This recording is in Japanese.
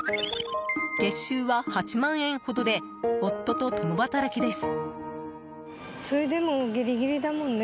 月収は８万円ほどで夫と共働きです。